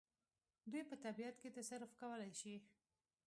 دوی په طبیعت کې تصرف کولای شي.